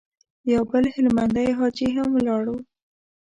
يو بل هلمندی حاجي هم ولاړ و.